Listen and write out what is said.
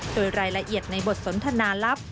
โดยรายละเอียดในบทสนทนาลับ